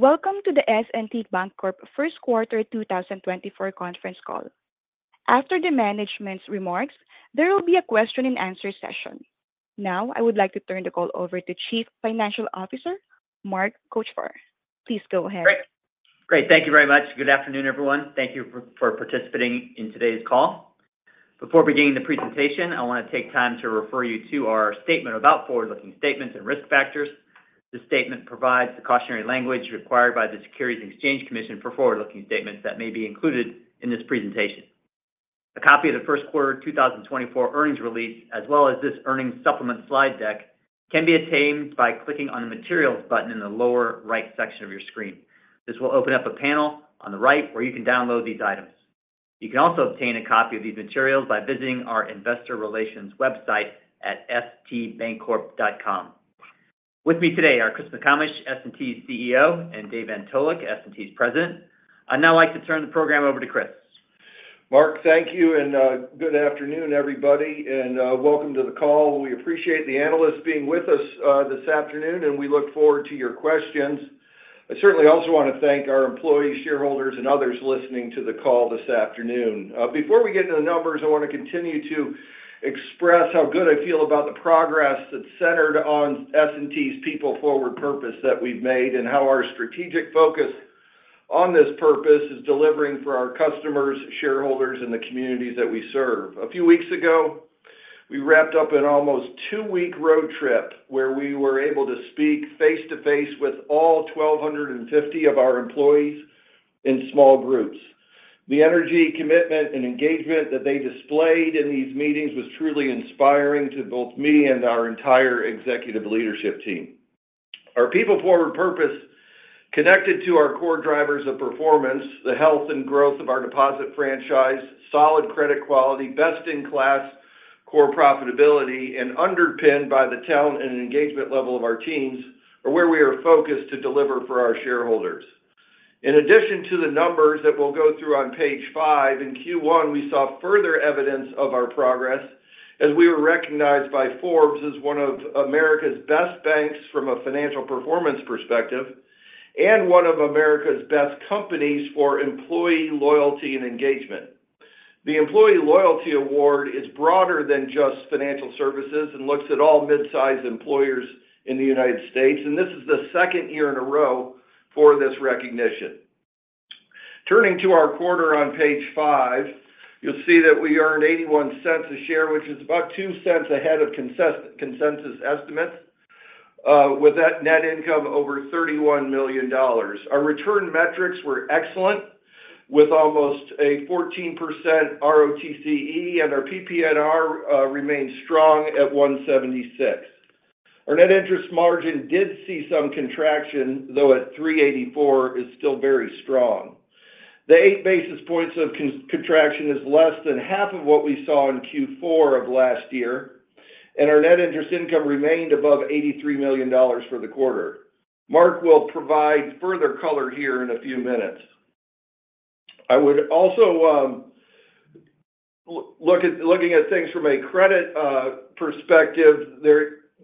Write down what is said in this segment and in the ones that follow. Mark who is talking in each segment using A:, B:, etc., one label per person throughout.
A: Welcome to the S&T Bancorp First Quarter 2024 conference call. After the management's remarks, there will be a question-and-answer session. Now I would like to turn the call over to Chief Financial Officer Mark Kochvar. Please go ahead.
B: Great. Great. Thank you very much. Good afternoon, everyone. Thank you for participating in today's call. Before beginning the presentation, I want to take time to refer you to our statement about forward-looking statements and risk factors. This statement provides the cautionary language required by the Securities and Exchange Commission for forward-looking statements that may be included in this presentation. A copy of the First Quarter 2024 earnings release, as well as this earnings supplement slide deck, can be attained by clicking on the Materials button in the lower right section of your screen. This will open up a panel on the right where you can download these items. You can also obtain a copy of these materials by visiting our investor relations website at stbancorp.com. With me today are Chris McComish, S&T's CEO, and Dave Antolik, S&T's President. I'd now like to turn the program over to Chris.
C: Mark, thank you. Good afternoon, everybody. Welcome to the call. We appreciate the analysts being with us this afternoon, and we look forward to your questions. I certainly also want to thank our employees, shareholders, and others listening to the call this afternoon. Before we get into the numbers, I want to continue to express how good I feel about the progress that's centered on S&T's people forward purpose that we've made and how our strategic focus on this purpose is delivering for our customers, shareholders, and the communities that we serve. A few weeks ago, we wrapped up an almost two-week road trip where we were able to speak face-to-face with all 1,250 of our employees in small groups. The energy, commitment, and engagement that they displayed in these meetings was truly inspiring to both me and our entire executive leadership team. Our people-forward purpose connected to our core drivers of performance, the health and growth of our deposit franchise, solid credit quality, best-in-class core profitability, and underpinned by the talent and engagement level of our teams are where we are focused to deliver for our shareholders. In addition to the numbers that we'll go through on page five, in Q1 we saw further evidence of our progress as we were recognized by Forbes as one of America's best banks from a financial performance perspective and one of America's best companies for employee loyalty and engagement. The Employee Loyalty Award is broader than just financial services and looks at all midsize employers in the United States, and this is the second year in a row for this recognition. Turning to our quarter on page five, you'll see that we earned $0.81 a share, which is about $0.02 ahead of consensus estimates, with net income over $31 million. Our return metrics were excellent, with almost a 14% ROTCE, and our PPNR remained strong at 176. Our net interest margin did see some contraction, though at 384 is still very strong. The 8 basis points of contraction is less than half of what we saw in Q4 of last year, and our net interest income remained above $83 million for the quarter. Mark will provide further color here in a few minutes. I would also look at things from a credit perspective.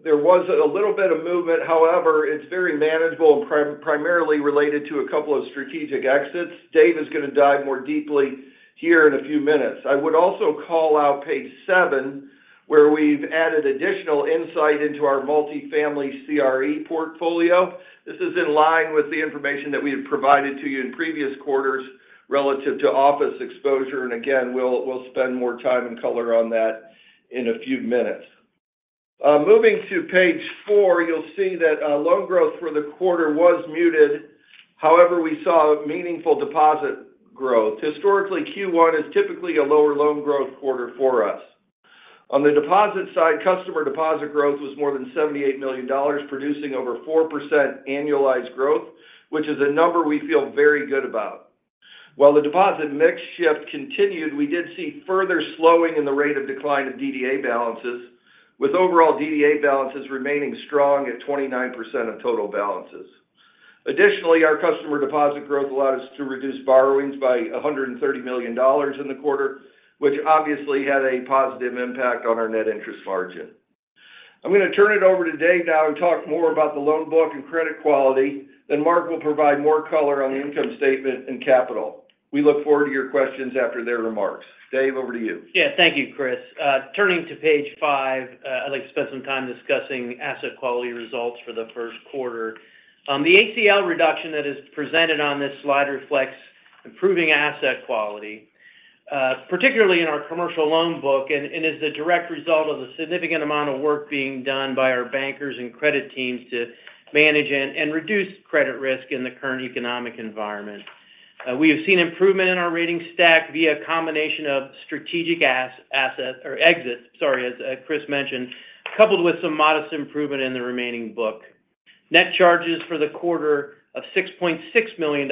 C: There was a little bit of movement. However, it's very manageable and primarily related to a couple of strategic exits. Dave is going to dive more deeply here in a few minutes. I would also call out page seven, where we've added additional insight into our multifamily CRE portfolio. This is in line with the information that we had provided to you in previous quarters relative to office exposure, and again, we'll spend more time and color on that in a few minutes. Moving to page four, you'll see that loan growth for the quarter was muted. However, we saw meaningful deposit growth. Historically, Q1 is typically a lower loan growth quarter for us. On the deposit side, customer deposit growth was more than $78 million, producing over 4% annualized growth, which is a number we feel very good about. While the deposit mix shift continued, we did see further slowing in the rate of decline of DDA balances, with overall DDA balances remaining strong at 29% of total balances. Additionally, our customer deposit growth allowed us to reduce borrowings by $130 million in the quarter, which obviously had a positive impact on our net interest margin. I'm going to turn it over to Dave now and talk more about the loan book and credit quality, then Mark will provide more color on the income statement and capital. We look forward to your questions after their remarks. Dave, over to you.
D: Yeah. Thank you, Chris. Turning to page five, I'd like to spend some time discussing asset quality results for the first quarter. The ACL reduction that is presented on this slide reflects improving asset quality, particularly in our commercial loan book, and is the direct result of the significant amount of work being done by our bankers and credit teams to manage and reduce credit risk in the current economic environment. We have seen improvement in our rating stack via a combination of strategic exits, sorry, as Chris mentioned, coupled with some modest improvement in the remaining book. Net charges for the quarter of $6.6 million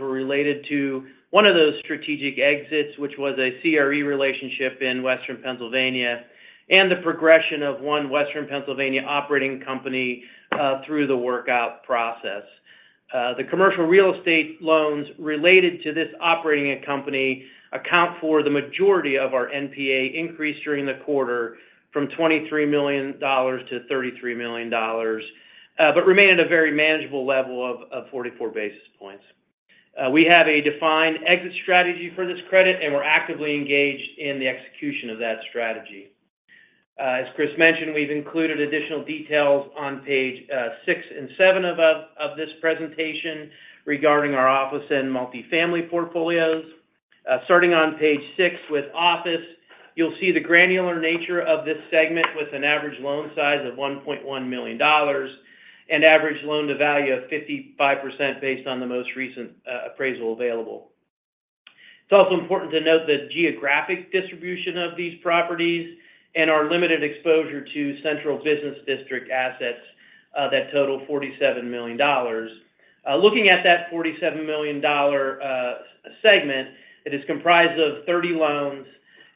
D: were related to one of those strategic exits, which was a CRE relationship in Western Pennsylvania, and the progression of one Western Pennsylvania operating company through the workout process. The commercial real estate loans related to this operating company account for the majority of our NPA increase during the quarter from $23 million to $33 million, but remain at a very manageable level of 44 basis points. We have a defined exit strategy for this credit, and we're actively engaged in the execution of that strategy. As Chris mentioned, we've included additional details on page six and seven of this presentation regarding our office and multifamily portfolios. Starting on page six with office, you'll see the granular nature of this segment with an average loan size of $1.1 million and average loan to value of 55% based on the most recent appraisal available. It's also important to note the geographic distribution of these properties and our limited exposure to central business district assets that total $47 million. Looking at that $47 million segment, it is comprised of 30 loans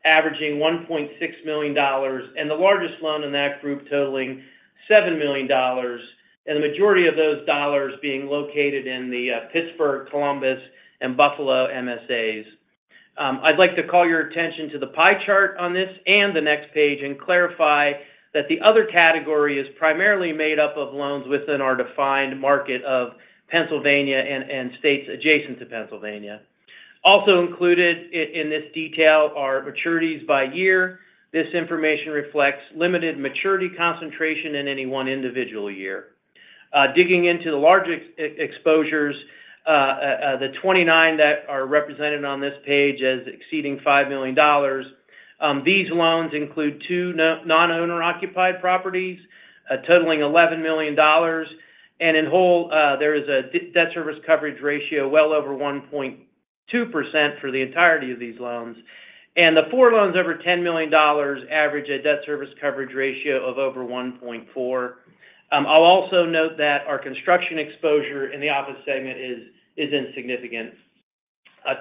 D: averaging $1.6 million and the largest loan in that group totaling $7 million, and the majority of those dollars being located in the Pittsburgh, Columbus, and Buffalo MSAs. I'd like to call your attention to the pie chart on this and the next page and clarify that the other category is primarily made up of loans within our defined market of Pennsylvania and states adjacent to Pennsylvania. Also included in this detail are maturities by year. This information reflects limited maturity concentration in any one individual year. Digging into the larger exposures, the 29 that are represented on this page as exceeding $5 million, these loans include two non-owner-occupied properties totaling $11 million, and in whole, there is a debt service coverage ratio well over 1.2% for the entirety of these loans. The four loans over $10 million average a debt service coverage ratio of over 1.4. I'll also note that our construction exposure in the office segment is insignificant.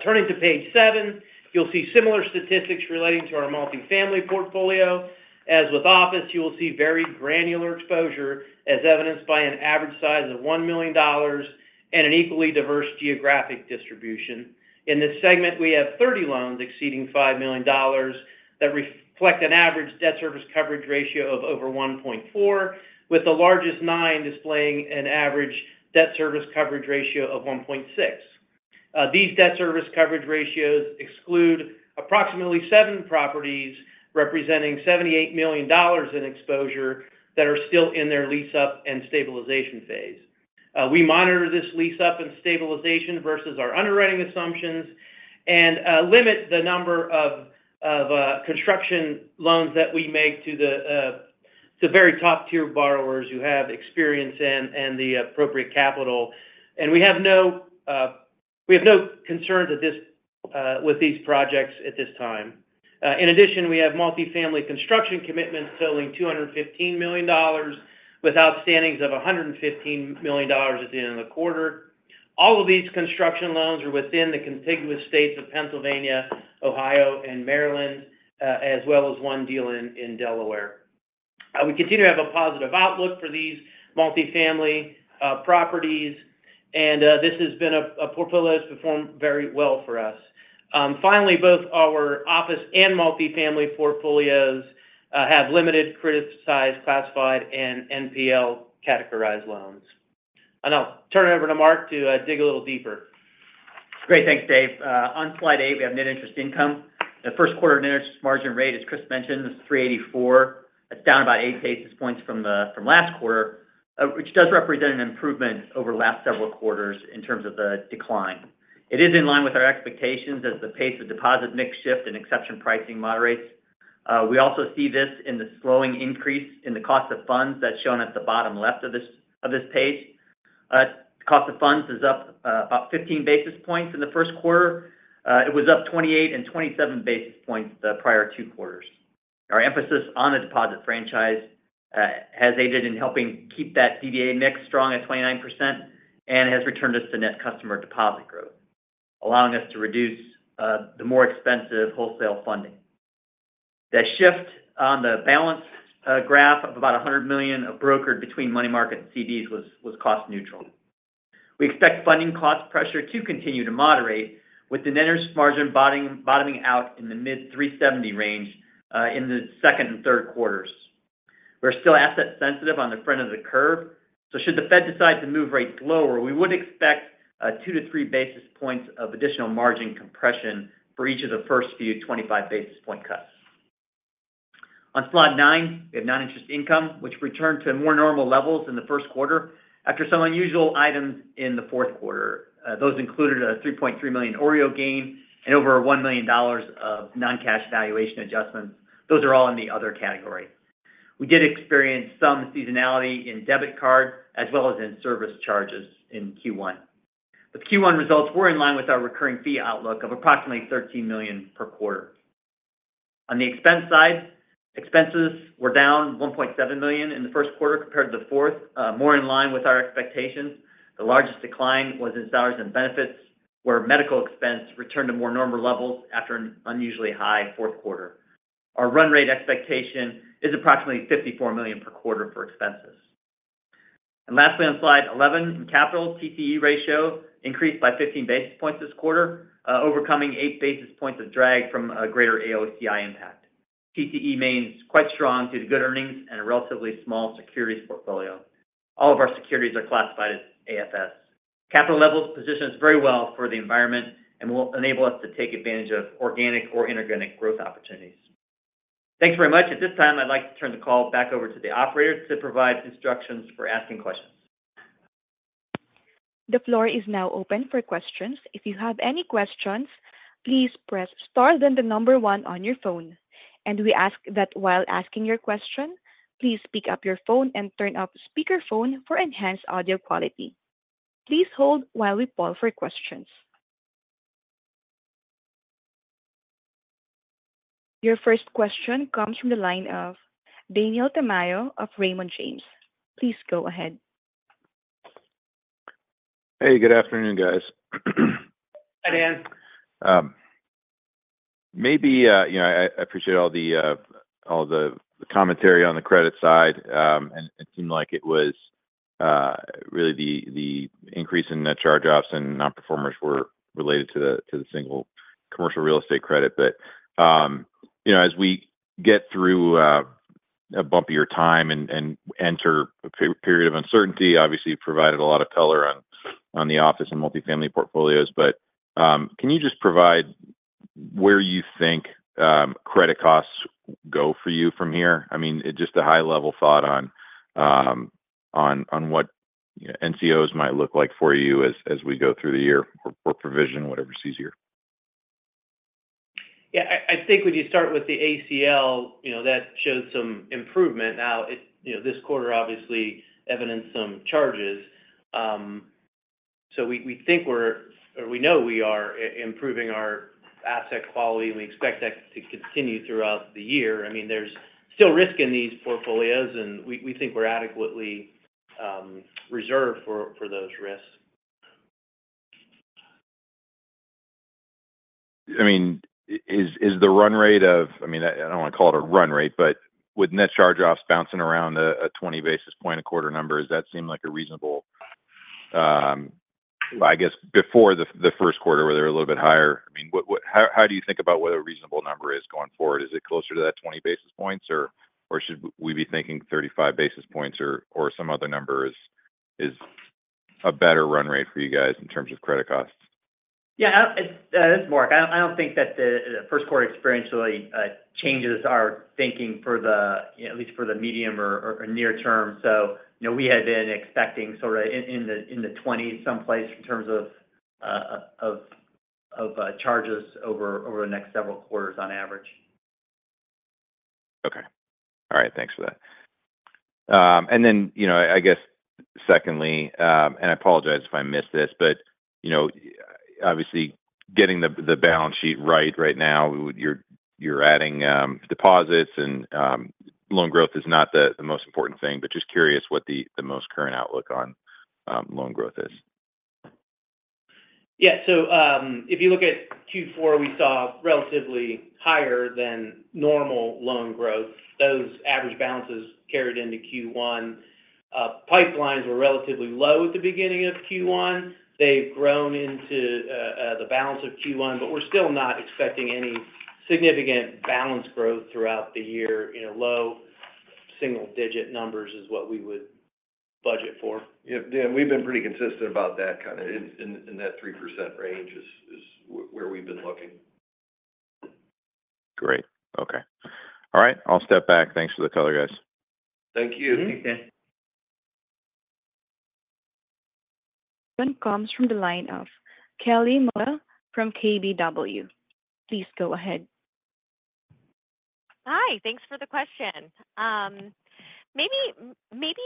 D: Turning to page seven, you'll see similar statistics relating to our multifamily portfolio. As with office, you will see very granular exposure as evidenced by an average size of $1 million and an equally diverse geographic distribution. In this segment, we have 30 loans exceeding $5 million that reflect an average debt service coverage ratio of over 1.4, with the largest nine displaying an average debt service coverage ratio of 1.6. These debt service coverage ratios exclude approximately seven properties representing $78 million in exposure that are still in their lease-up and stabilization phase. We monitor this lease-up and stabilization versus our underwriting assumptions and limit the number of construction loans that we make to the very top-tier borrowers who have experience and the appropriate capital. We have no concerns with these projects at this time. In addition, we have multifamily construction commitments totaling $215 million with outstandings of $115 million at the end of the quarter. All of these construction loans are within the contiguous states of Pennsylvania, Ohio, and Maryland, as well as one deal in Delaware. We continue to have a positive outlook for these multifamily properties, and this has been a portfolio that's performed very well for us. Finally, both our office and multifamily portfolios have limited credit size, classified, and NPL categorized loans. I'll turn it over to Mark to dig a little deeper.
B: Great. Thanks, Dave. On slide eight, we have net interest income. The first quarter net interest margin rate, as Chris mentioned, is 384. It's down about 8 basis points from last quarter, which does represent an improvement over the last several quarters in terms of the decline. It is in line with our expectations as the pace of deposit mix shift and exception pricing moderates. We also see this in the slowing increase in the cost of funds that's shown at the bottom left of this page. Cost of funds is up about 15 basis points in the first quarter. It was up 28 and 27 basis points the prior two quarters. Our emphasis on the deposit franchise has aided in helping keep that DDA mix strong at 29% and has returned us to net customer deposit growth, allowing us to reduce the more expensive wholesale funding. That shift on the balance graph of about $100 million brokered between money market and CDs was cost-neutral. We expect funding cost pressure to continue to moderate, with the net interest margin bottoming out in the mid-370 range in the second and third quarters. We're still asset-sensitive on the front of the curve, so should the Fed decide to move rates lower, we would expect 2-3 basis points of additional margin compression for each of the first few 25 basis point cuts. On slide nine, we have non-interest income, which returned to more normal levels in the first quarter after some unusual items in the fourth quarter. Those included a $3.3 million OREO gain and over $1 million of non-cash valuation adjustments. Those are all in the other category. We did experience some seasonality in debit cards as well as in service charges in Q1. But the Q1 results were in line with our recurring fee outlook of approximately $13 million per quarter. On the expense side, expenses were down $1.7 million in the first quarter compared to the fourth, more in line with our expectations. The largest decline was in salaries and benefits, where medical expense returned to more normal levels after an unusually high fourth quarter. Our run rate expectation is approximately $54 million per quarter for expenses. And lastly, on slide 11, in capital, TCE ratio increased by 15 basis points this quarter, overcoming 8 basis points of drag from a greater AOCI impact. TCE remains quite strong due to good earnings and a relatively small securities portfolio. All of our securities are classified as AFS. Capital levels position us very well for the environment and will enable us to take advantage of organic or inorganic growth opportunities. Thanks very much. At this time, I'd like to turn the call back over to the operator to provide instructions for asking questions.
A: The floor is now open for questions. If you have any questions, please press star then the number one on your phone. We ask that while asking your question, please pick up your phone and turn off speakerphone for enhanced audio quality. Please hold while we poll for questions. Your first question comes from the line of Daniel Tamayo of Raymond James. Please go ahead.
E: Hey. Good afternoon, guys.
D: Hi, Dan.
E: Maybe I appreciate all the commentary on the credit side. It seemed like it was really the increase in charge-offs and non-performers were related to the single commercial real estate credit. But as we get through a bumpier time and enter a period of uncertainty, obviously, you've provided a lot of color on the office and multifamily portfolios. But can you just provide where you think credit costs go for you from here? I mean, just a high-level thought on what NCOs might look like for you as we go through the year or provision, whatever's easier.
D: Yeah. I think when you start with the ACL, that showed some improvement. Now, this quarter, obviously, evidenced some charges. So we think we're or we know we are improving our asset quality, and we expect that to continue throughout the year. I mean, there's still risk in these portfolios, and we think we're adequately reserved for those risks.
E: I mean, is the run rate of—I mean, I don't want to call it a run rate, but with net charge-offs bouncing around a 20 basis point a quarter number—does that seem like a reasonable—well, I guess, before the first quarter, where they were a little bit higher—I mean, how do you think about what a reasonable number is going forward? Is it closer to that 20 basis points, or should we be thinking 35 basis points or some other number is a better run rate for you guys in terms of credit costs?
B: Yeah. This is Mark. I don't think that the first quarter experientially changes our thinking for at least the medium or near term. So we had been expecting sort of in the 20s someplace in terms of charges over the next several quarters on average.
E: Okay. All right. Thanks for that. And then, I guess, secondly and I apologize if I missed this, but obviously, getting the balance sheet right right now, you're adding deposits, and loan growth is not the most important thing. But just curious what the most current outlook on loan growth is?
D: Yeah. So if you look at Q4, we saw relatively higher than normal loan growth. Those average balances carried into Q1. Pipelines were relatively low at the beginning of Q1. They've grown into the balance of Q1, but we're still not expecting any significant balance growth throughout the year. Low single-digit numbers is what we would budget for.
C: Yeah. We've been pretty consistent about that kind of in that 3% range is where we've been looking.
E: Great. Okay. All right. I'll step back. Thanks for the color, guys.
C: Thank you.
B: Thanks, Dan.
A: Comes from the line of Kelly Motta from KBW. Please go ahead.
F: Hi. Thanks for the question. Maybe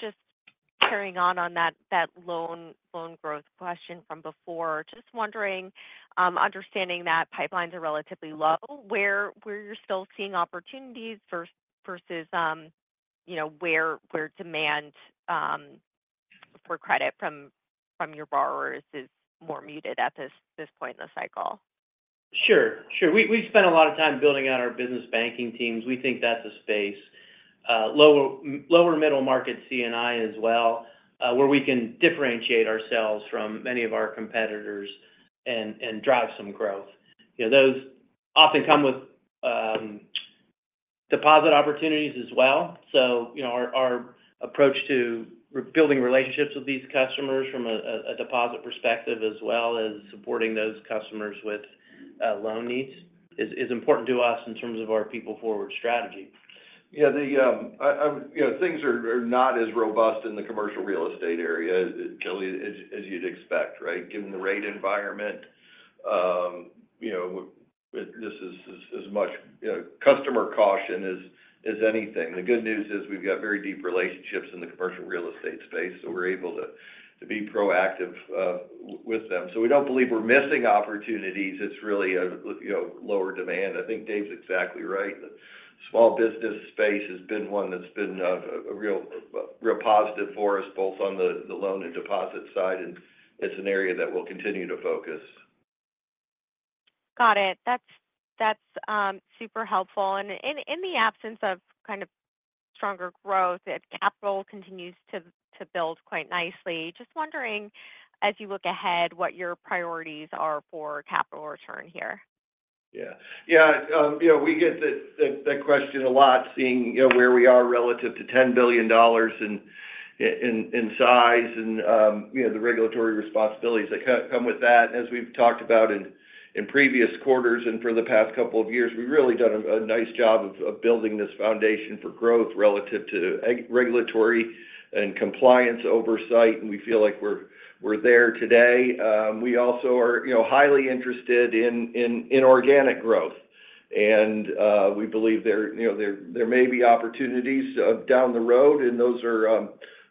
F: just carrying on that loan growth question from before, just wondering, understanding that pipelines are relatively low, where you're still seeing opportunities versus where demand for credit from your borrowers is more muted at this point in the cycle?
D: Sure. Sure. We've spent a lot of time building out our business banking teams. We think that's a space. Lower middle market C&I as well, where we can differentiate ourselves from many of our competitors and drive some growth. Those often come with deposit opportunities as well. Our approach to building relationships with these customers from a deposit perspective, as well as supporting those customers with loan needs, is important to us in terms of our people-forward strategy.
C: Yeah. Things are not as robust in the commercial real estate area, Kelly, as you'd expect, right, given the rate environment. This is as much customer caution as anything. The good news is we've got very deep relationships in the commercial real estate space, so we're able to be proactive with them. So we don't believe we're missing opportunities. It's really lower demand. I think Dave's exactly right. The small business space has been one that's been a real positive for us, both on the loan and deposit side. And it's an area that we'll continue to focus.
F: Got it. That's super helpful. In the absence of kind of stronger growth, capital continues to build quite nicely. Just wondering, as you look ahead, what your priorities are for capital return here.
C: Yeah. Yeah. We get that question a lot, seeing where we are relative to $10 billion in size and the regulatory responsibilities that come with that. As we've talked about in previous quarters and for the past couple of years, we've really done a nice job of building this foundation for growth relative to regulatory and compliance oversight. We feel like we're there today. We also are highly interested in organic growth. We believe there may be opportunities down the road. Those are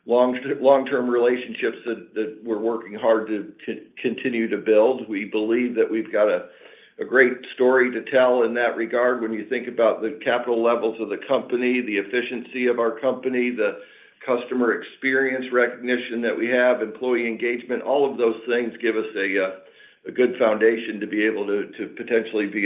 C: long-term relationships that we're working hard to continue to build. We believe that we've got a great story to tell in that regard. When you think about the capital levels of the company, the efficiency of our company, the customer experience recognition that we have, employee engagement, all of those things give us a good foundation to be able to potentially be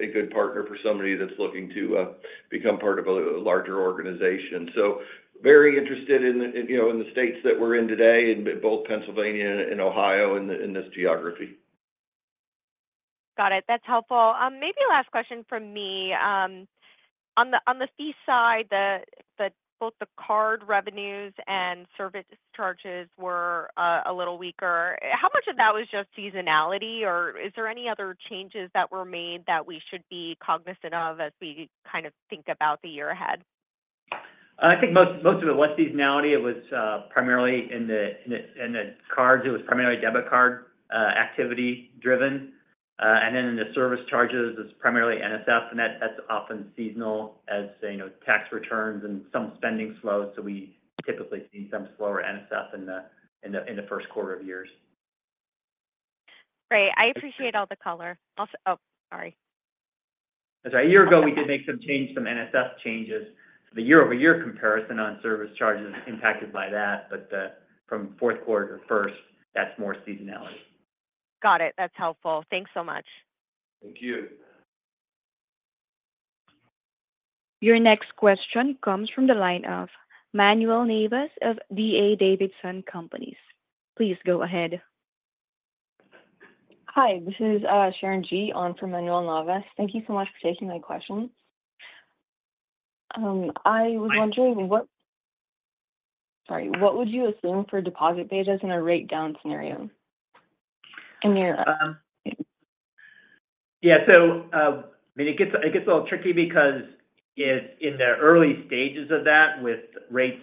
C: a good partner for somebody that's looking to become part of a larger organization. So very interested in the states that we're in today, both Pennsylvania and Ohio, in this geography.
F: Got it. That's helpful. Maybe last question from me. On the fee side, both the card revenues and service charges were a little weaker. How much of that was just seasonality, or is there any other changes that were made that we should be cognizant of as we kind of think about the year ahead?
B: I think most of it was seasonality. It was primarily in the cards. It was primarily debit card activity-driven. And then in the service charges, it's primarily NSF. And that's often seasonal, as tax returns and some spending slows. So we typically see some slower NSF in the first quarter of years.
F: Great. I appreciate all the color. Oh, sorry.
B: That's right. A year ago, we did make some changes, some NSF changes. The year-over-year comparison on service charges is impacted by that. From fourth quarter to first, that's more seasonality.
F: Got it. That's helpful. Thanks so much.
C: Thank you.
A: Your next question comes from the line of Manuel Navas of D.A. Davidson Companies. Please go ahead.
G: Hi. This is Sharon Gee on for Manuel Navas. Thank you so much for taking my question. I was wondering what, sorry. What would you assume for deposit betas in a rate-down scenario in your?
D: Yeah. So I mean, it gets a little tricky because in the early stages of that with rates,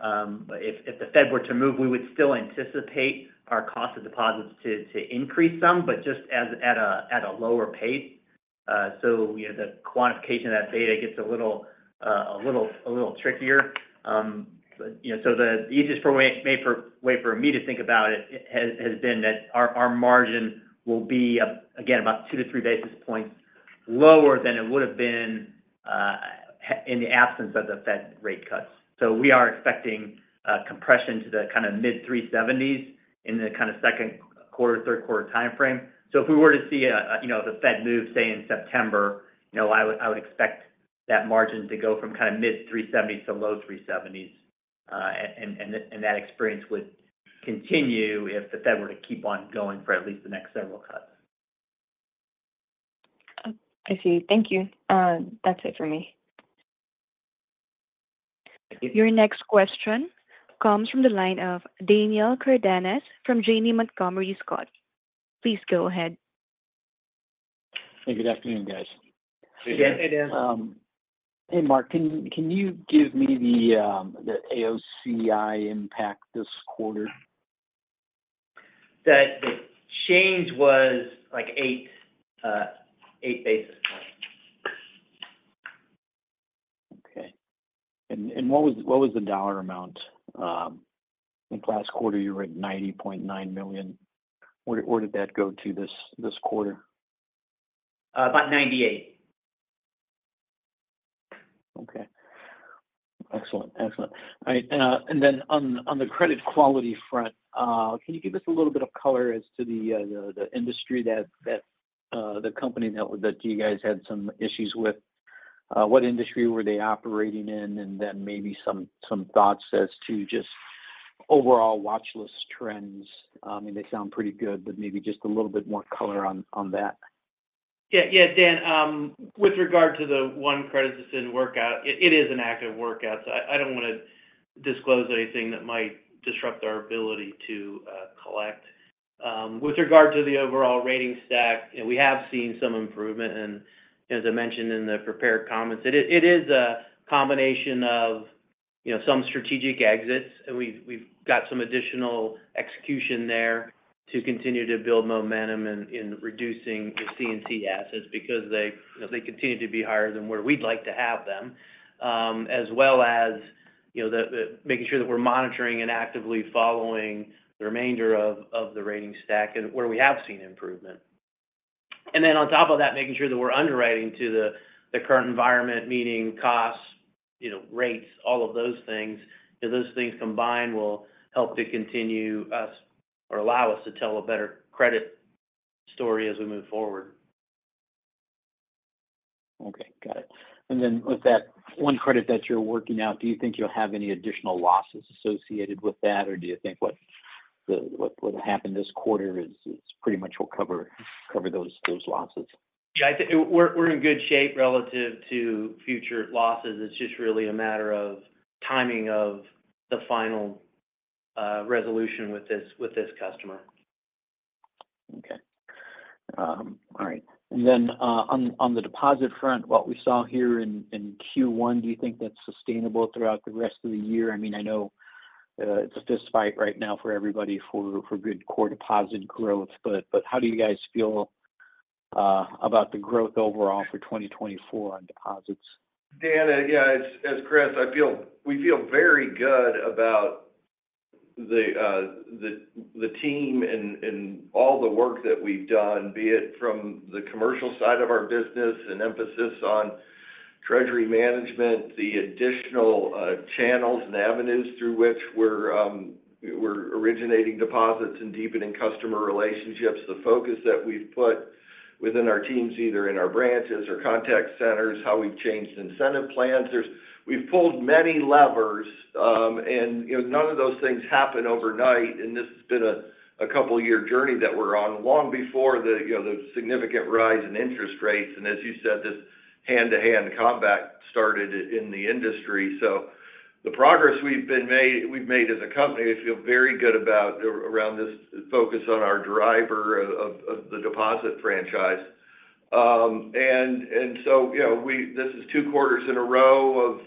D: if the Fed were to move, we would still anticipate our cost of deposits to increase some, but just at a lower pace. So the quantification of that data gets a little trickier. So the easiest way for me to think about it has been that our margin will be, again, about 2-3 basis points lower than it would have been in the absence of the Fed rate cuts. So we are expecting compression to the kind of mid-370s in the kind of second quarter, third quarter time frame. So if we were to see the Fed move, say, in September, I would expect that margin to go from kind of mid-370s to low-370s. That experience would continue if the Fed were to keep on going for at least the next several cuts.
G: I see. Thank you. That's it for me.
A: Your next question comes from the line of Daniel Cardenas from Janney Montgomery Scott. Please go ahead.
H: Hey. Good afternoon, guys.
B: Hey, Dan.
H: Hey, Mark. Can you give me the AOCI impact this quarter?
B: That change was like 8 basis points.
H: Okay. And what was the dollar amount? I think last quarter, you were at $90.9 million. Where did that go to this quarter?
B: About 98.
H: Okay. Excellent. Excellent. All right. And then on the credit quality front, can you give us a little bit of color as to the industry that the company that you guys had some issues with? What industry were they operating in? And then maybe some thoughts as to just overall watchlist trends. I mean, they sound pretty good, but maybe just a little bit more color on that.
B: Yeah. Yeah, Dan. With regard to the one credit that's in workout, it is an active workout. So I don't want to disclose anything that might disrupt our ability to collect. With regard to the overall rating stack, we have seen some improvement. And as I mentioned in the prepared comments, it is a combination of some strategic exits. And we've got some additional execution there to continue to build momentum in reducing the C&C assets because they continue to be higher than where we'd like to have them, as well as making sure that we're monitoring and actively following the remainder of the rating stack and where we have seen improvement. And then on top of that, making sure that we're underwriting to the current environment, meaning costs, rates, all of those things. Those things combined will help to continue us or allow us to tell a better credit story as we move forward.
H: Okay. Got it. And then with that one credit that you're working out, do you think you'll have any additional losses associated with that, or do you think what happened this quarter is pretty much will cover those losses?
B: Yeah. We're in good shape relative to future losses. It's just really a matter of timing of the final resolution with this customer.
H: Okay. All right. And then on the deposit front, what we saw here in Q1, do you think that's sustainable throughout the rest of the year? I mean, I know it's a fistfight right now for everybody for good core deposit growth, but how do you guys feel about the growth overall for 2024 on deposits?
C: Dan, yeah, this is Chris, we feel very good about the team and all the work that we've done, be it from the commercial side of our business and emphasis on treasury management, the additional channels and avenues through which we're originating deposits and deepening customer relationships, the focus that we've put within our teams, either in our branches or contact centers, how we've changed incentive plans. We've pulled many levers, and none of those things happen overnight. This has been a couple-year journey that we're on long before the significant rise in interest rates. As you said, this hand-to-hand combat started in the industry. The progress we've made as a company, we feel very good about around this focus on our driver of the deposit franchise. This is two quarters in a row of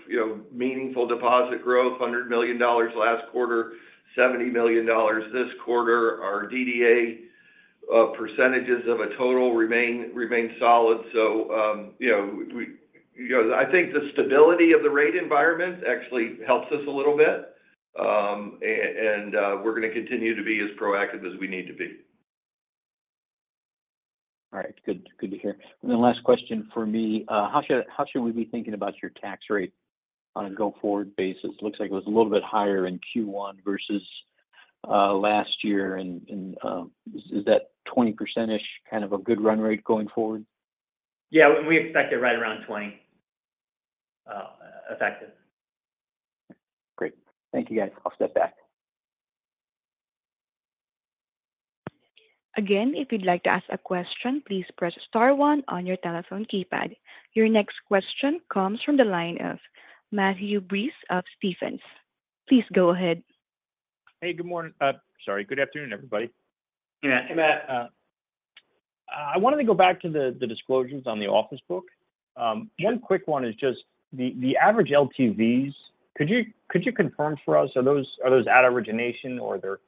C: meaningful deposit growth: $100 million last quarter, $70 million this quarter. Our DDA percentages of a total remain solid. I think the stability of the rate environment actually helps us a little bit. We're going to continue to be as proactive as we need to be.
H: All right. Good to hear. And then last question for me. How should we be thinking about your tax rate on a go-forward basis? It looks like it was a little bit higher in Q1 versus last year. And is that 20%-ish kind of a good run rate going forward?
B: Yeah. We expect it right around 20 effective.
H: Great. Thank you, guys. I'll step back.
A: Again, if you'd like to ask a question, please press star one on your telephone keypad. Your next question comes from the line of Matthew Breese of Stephens. Please go ahead.
I: Hey. Good morning. Sorry. Good afternoon, everybody.
B: Hey, Matt.
I: I wanted to go back to the disclosures on the office book. One quick one is just the average LTVs, could you confirm for us, are those at origination, or are there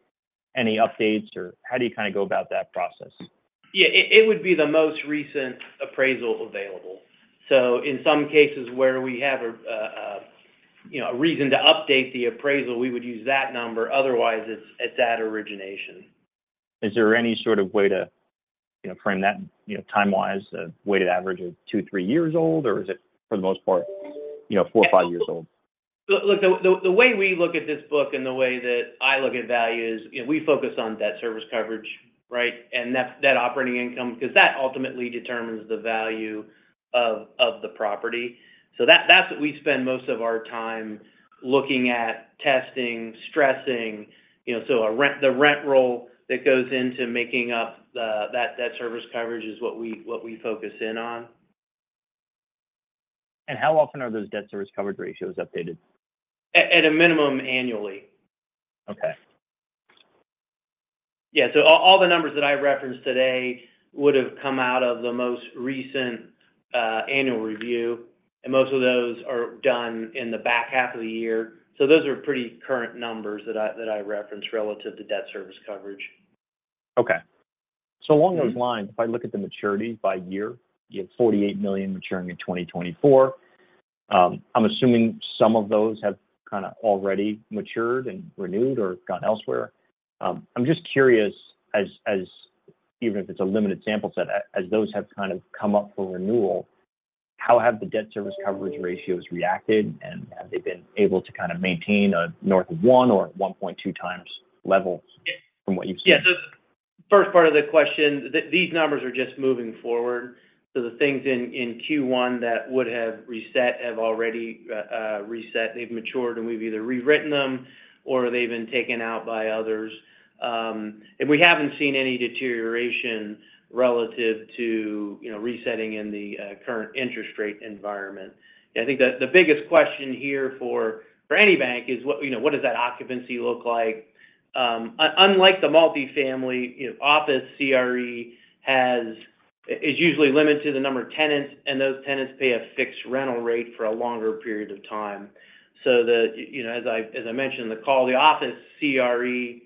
I: any updates, or how do you kind of go about that process?
D: Yeah. It would be the most recent appraisal available. So in some cases where we have a reason to update the appraisal, we would use that number. Otherwise, it's at origination.
I: Is there any sort of way to frame that time-wise, a weighted average of two, three years old, or is it for the most part four or five years old?
D: Look, the way we look at this book and the way that I look at value is we focus on debt service coverage, right, and that operating income because that ultimately determines the value of the property. So that's what we spend most of our time looking at, testing, stressing. So the rent roll that goes into making up that debt service coverage is what we focus in on.
I: How often are those debt service coverage ratios updated?
D: At a minimum, annually.
I: Okay.
D: Yeah. All the numbers that I referenced today would have come out of the most recent annual review. Most of those are done in the back half of the year. Those are pretty current numbers that I reference relative to debt service coverage.
I: Okay. So along those lines, if I look at the maturity by year, you have $48 million maturing in 2024. I'm assuming some of those have kind of already matured and renewed or gone elsewhere. I'm just curious, even if it's a limited sample set, as those have kind of come up for renewal, how have the debt service coverage ratios reacted, and have they been able to kind of maintain a north of one or 1.2 times level from what you've seen?
D: Yeah. So first part of the question, these numbers are just moving forward. So the things in Q1 that would have reset have already reset. They've matured, and we've either rewritten them, or they've been taken out by others. And we haven't seen any deterioration relative to resetting in the current interest rate environment. I think the biggest question here for any bank is, what does that occupancy look like? Unlike the multifamily, Office CRE is usually limited to the number of tenants, and those tenants pay a fixed rental rate for a longer period of time. So as I mentioned in the call, the Office CRE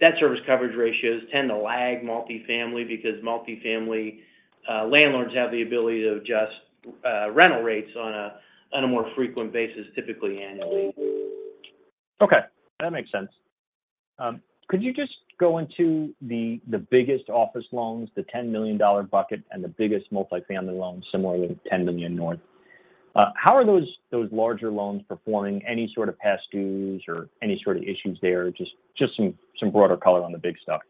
D: debt service coverage ratios tend to lag multifamily because multifamily landlords have the ability to adjust rental rates on a more frequent basis, typically annually.
I: Okay. That makes sense. Could you just go into the biggest office loans, the $10 million bucket, and the biggest multifamily loans, similarly, $10 million north? How are those larger loans performing? Any sort of past dues or any sort of issues there? Just some broader color on the big stuff.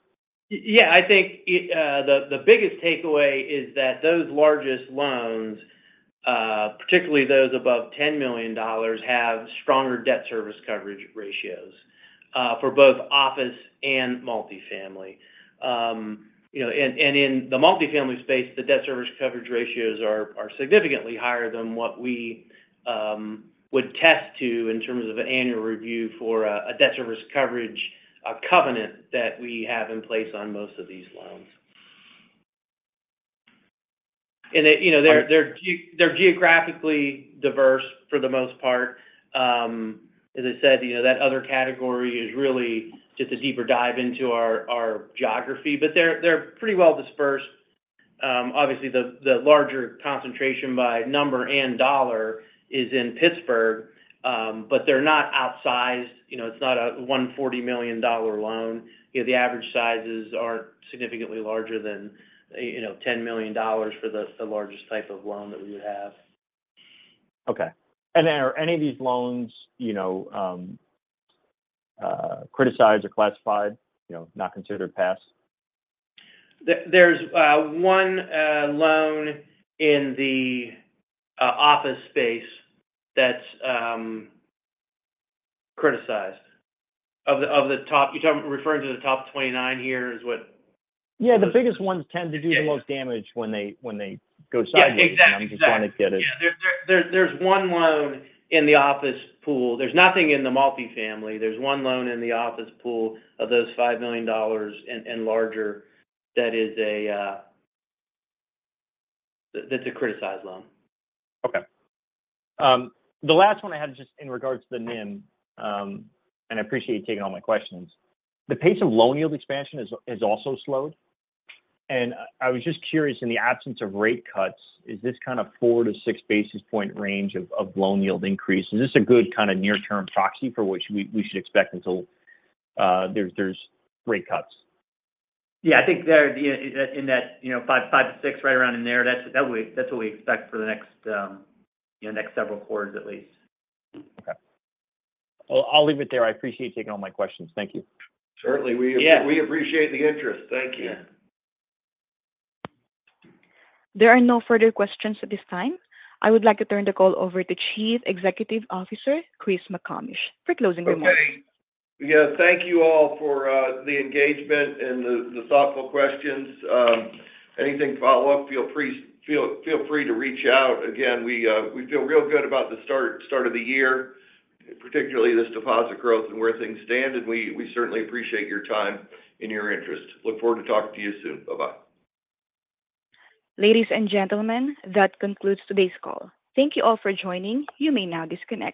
D: Yeah. I think the biggest takeaway is that those largest loans, particularly those above $10 million, have stronger debt service coverage ratios for both office and multifamily. And in the multifamily space, the debt service coverage ratios are significantly higher than what we would test to in terms of an annual review for a debt service coverage covenant that we have in place on most of these loans. And they're geographically diverse for the most part. As I said, that other category is really just a deeper dive into our geography, but they're pretty well dispersed. Obviously, the larger concentration by number and dollar is in Pittsburgh, but they're not outsized. It's not a $140 million loan. The average sizes aren't significantly larger than $10 million for the largest type of loan that we would have.
I: Okay. And are any of these loans criticized or classified, not considered passed?
D: There's one loan in the office space that's criticized. You're referring to the top 29 here is what?
I: Yeah. The biggest ones tend to do the most damage when they go sideways. I'm just wanting to get it.
D: Yeah. Exactly. Yeah. There's one loan in the office pool. There's nothing in the multifamily. There's one loan in the office pool of those $5 million and larger that's a criticized loan.
I: Okay. The last one I had is just in regards to the NIM, and I appreciate you taking all my questions. The pace of loan yield expansion has also slowed. I was just curious, in the absence of rate cuts, is this kind of 4-6 basis point range of loan yield increase? Is this a good kind of near-term proxy for which we should expect until there's rate cuts?
D: Yeah. I think in that five to six, right around in there, that's what we expect for the next several quarters, at least.
I: Okay. Well, I'll leave it there. I appreciate you taking all my questions. Thank you.
C: Certainly. We appreciate the interest. Thank you.
A: There are no further questions at this time. I would like to turn the call over to Chief Executive Officer Chris McComish for closing remarks.
C: Okay. Yeah. Thank you all for the engagement and the thoughtful questions. Any follow-up, feel free to reach out. Again, we feel real good about the start of the year, particularly this deposit growth and where things stand. And we certainly appreciate your time and your interest. Look forward to talking to you soon. Bye-bye.
A: Ladies and gentlemen, that concludes today's call. Thank you all for joining. You may now disconnect.